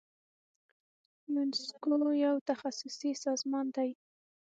یونسکو یو تخصصي سازمان دی.